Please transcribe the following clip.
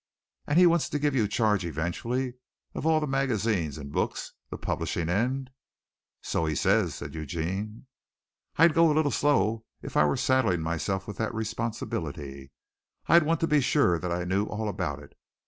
"And he wants to give you charge eventually of all the magazines and books, the publishing end?" "So he says," said Eugene. "I'd go a little slow if I were saddling myself with that responsibility. I'd want to be sure that I knew all about it.